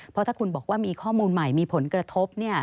เพราะถ้าคุณบอกว่ามีข้อมูลใหม่มีผลกระทบ